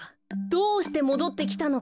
どうしてもどってきたのか。